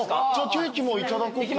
ケーキもいただこうかな